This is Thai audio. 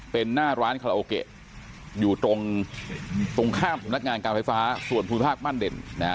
เป็นหน้าร้านคาราโอเกะอยู่ตรงข้ามสำนักงานการไฟฟ้าส่วนภูมิภาคมั่นเด่น